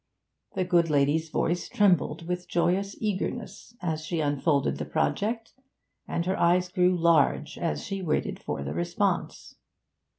The good lady's voice trembled with joyous eagerness as she unfolded the project, and her eyes grew large as she waited for the response.